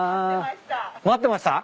待ってました？